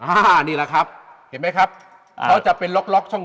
อันนี้แหละครับเห็นไหมครับเขาจะเป็นล็อกล็อกช่อง